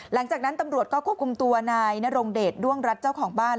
หลังจากนั้นตำรวจก็ควบคุมตัวนายนรงเดชด้วงรัฐเจ้าของบ้าน